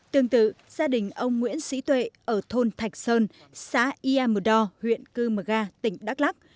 tương tự gia đình ông nguyễn sĩ tuệ ở thôn thạch sơn xá ia mờ đo huyện cư mờ ga tỉnh đắk lắc